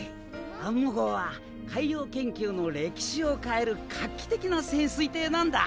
アンモ号は海洋研究の歴史を変える画期的な潜水艇なんだ！